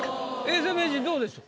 永世名人どうでしょう？